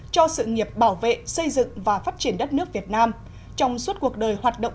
cho sự nghiệp bảo vệ xây dựng và phát triển đất nước việt nam trong suốt cuộc đời hoạt động